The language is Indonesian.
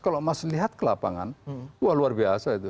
kalau mas lihat ke lapangan wah luar biasa itu